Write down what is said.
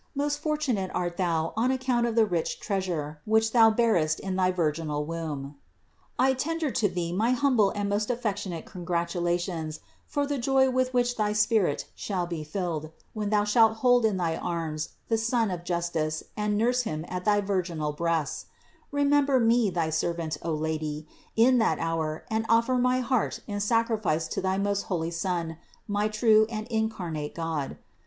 Most fortunate art Thou on account of the rich Treasure, which Thou bearest in thy virginal womb. I tender to Thee my humble and most affectionate congratulations for the joy with which thy spirit shall be filled, when Thou shalt hold in thy arms the Son of justice and nurse Him at thy virginal THE INCARNATION 203 breasts. Remember me thy servant, O Lady, in that hour and offer my heart in sacrifice to thy most holy Son, my true and incarnate God.